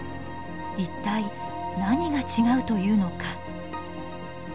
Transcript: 一体何が違うというのか。